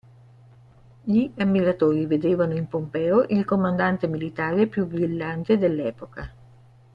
Gli ammiratori vedevano in Pompeo il comandante militare più brillante dell'epoca.